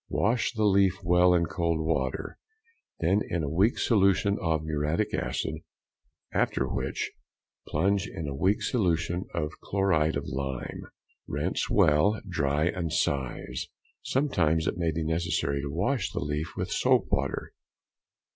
Wash the leaf well in cold water, then in a weak solution of muriatic acid, after which, plunge in a weak solution of chloride of lime. Rinse well, dry, and size. Sometimes it will be necessary to wash the leaf with soap water.